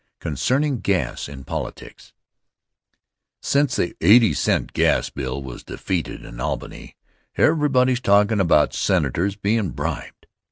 Concerning Gas in Politics SINCE the eighty cent gas bill was defeated in Albany, everybody's talkin' about senators bein' bribed.